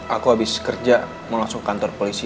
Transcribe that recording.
aku abis kerja mau langsung ke kantor polisi